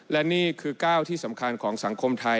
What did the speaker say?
และนี่คือก้าวที่สำคัญของสังคมไทย